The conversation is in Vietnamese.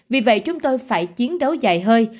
vì vậy chúng tôi phải chiến đấu dài hơi